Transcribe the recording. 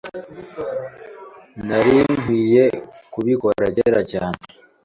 Nari nkwiye kubikora kera cyane. .